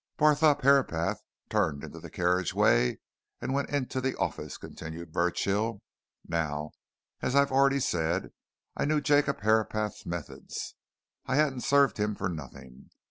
"Barthorpe Herapath turned into the carriageway and went into the office," continued Burchill. "Now, as I've already said, I knew Jacob Herapath's methods; I hadn't served him for nothing.